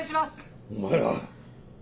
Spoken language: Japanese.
お前ら。